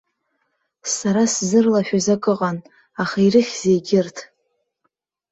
Сара сзырлашәыз акыҟан, аха ирыхьзеи егьырҭ?